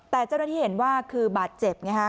แต่เจ้าหน้าที่เห็นว่าคือบาดเจ็บไงฮะ